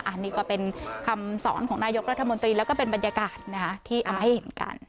อันนี้ก็เป็นคำสอนของนายกรัฐมนตรีแล้วก็เป็นบรรยากาศที่เอามาให้เห็นกัน